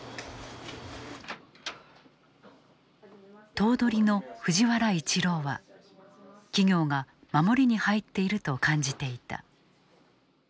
頭取の藤原一朗は企業が守りに入っていると感じていた。